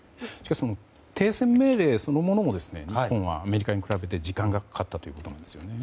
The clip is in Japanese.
停戦命令そのものも日本はアメリカに比べて時間がかかったというんですよね。